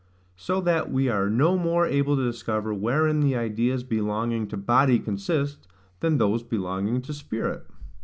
So that we are no more able to discover wherein the ideas belonging to body consist, than those belonging to spirit.